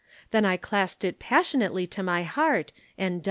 Then I clasped it passionately to my heart and died."